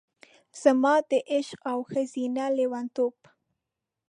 زما د عشق او ښځینه لیونتوب،